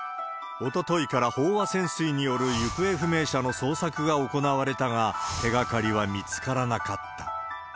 おとといから飽和潜水による行方不明者の捜索が行われたが、手がかりは見つからなかった。